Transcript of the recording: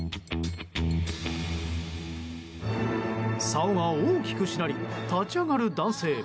さおが大きくしなり立ち上がる男性。